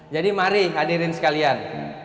jadi mari hadirin sekalian